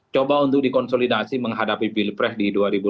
coba untuk dikonsolidasi menghadapi pilpres di dua ribu dua puluh